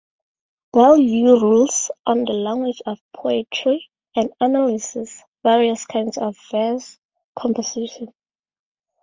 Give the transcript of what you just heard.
Boileau rules on the language of poetry, and analyses various kinds of verse composition.